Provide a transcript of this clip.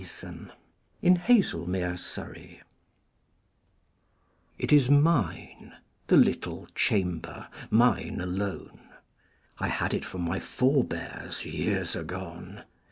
THE INNER ROOM It is mine—the little chamber, Mine alone. I had it from my forbears Years agone.